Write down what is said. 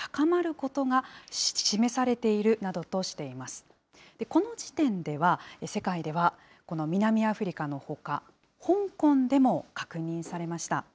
この時点では、世界ではこの南アフリカのほか、香港でも確認されました。